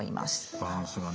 バランスがね。